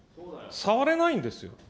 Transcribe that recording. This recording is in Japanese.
触れないんですよ。